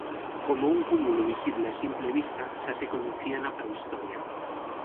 Como un cúmulo visible a simple vista xa se coñecía na prehistoria.